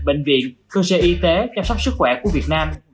bệnh viện cơ sở y tế chăm sóc sức khỏe của việt nam